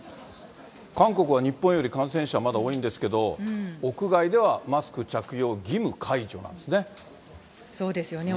韓国は日本より感染者まだ多いんですけど、屋外ではマスク着用義務解除なんですね。